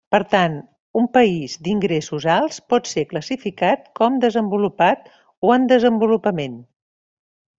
Per tant, un país d'ingressos alts pot ser classificat com desenvolupat o en desenvolupament.